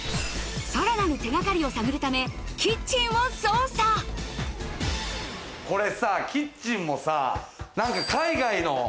さらなる手がかりを探るためこれさキッチンも何か海外の。